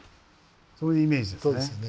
そういうイメージですね。